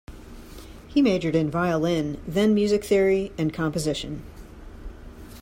He majored in violin, then music theory, and composition.